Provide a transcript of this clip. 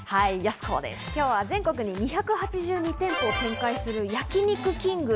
今日は全国に２８２店舗を展開する、焼肉きんぐ。